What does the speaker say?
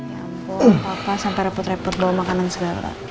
ya ampun papa sampai repot repot bawa makanan segala